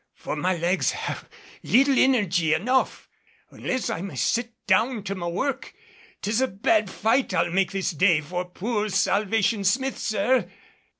For my legs have little energy enough. Unless I may sit down to my work, 'tis a bad fight I'll make this day for poor Salvation Smith, sir."